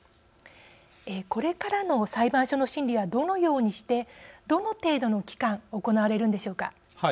これからの裁判所の審理はどのようにしてどの程度の期間行われるのでしょうか。